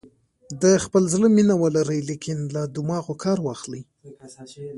د خپل زړه مینه ولرئ لیکن له دماغو کار واخلئ.